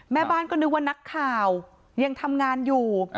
แม่บ้านก็นึกว่านักข่าวยังทำงานอยู่